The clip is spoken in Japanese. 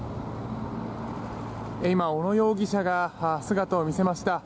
今、小野容疑者が姿を見せました。